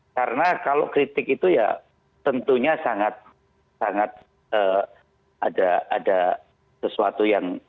karena kalau kritik itu ya tentunya sangat ada sesuatu